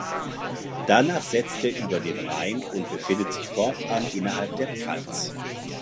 Danach setzt er über den Rhein und befindet sich fortan innerhalb der Pfalz.